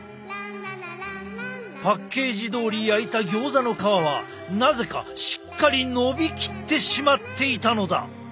パッケージどおり焼いたギョーザの皮はなぜかしっかりのびきってしまっていたのだ。